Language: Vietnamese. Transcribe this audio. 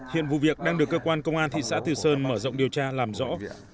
hiện vụ việc đang được cơ quan công an thị xã từ sơn mở rộng điều tra làm rõ